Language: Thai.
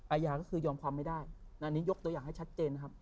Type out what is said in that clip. อาญาก็คือยอมความไม่ได้อันนี้ยกตัวอย่างให้ชัดเจนนะครับ